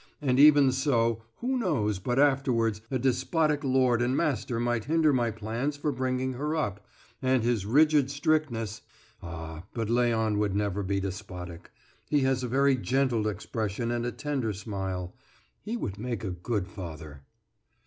And even so, who knows, but afterwards, a despotic lord and master might hinder my plans for bringing her up, and his rigid strictness Ah, but Léon would never be despotic. He has a very gentle expression and a tender smile. He would make a good father."